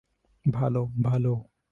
ভাল, ভাল।